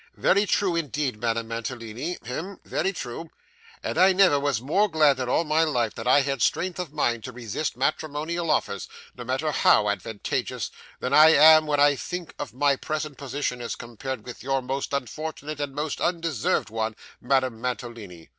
'Very true, indeed, Madame Mantalini hem very true. And I never was more glad in all my life, that I had strength of mind to resist matrimonial offers, no matter how advantageous, than I am when I think of my present position as compared with your most unfortunate and most undeserved one, Madame Mantalini.